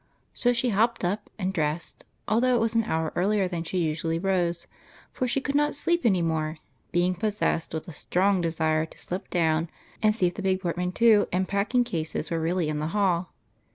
So she hopped up and dressed, although it was an hour earlier than she usually rose, for she could not sleep any more, being possessed with a strong desire to slip down and see if the big portmanteau and packing cases were really in the hall.